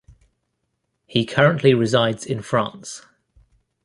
He currently resides in France.